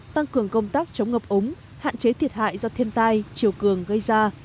tăng cường công tác chống ngập ống hạn chế thiệt hại do thiên tai chiều cường gây ra